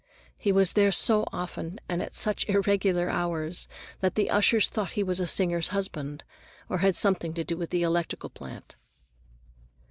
He was there so often and at such irregular hours that the ushers thought he was a singer's husband, or had something to do with the electrical plant.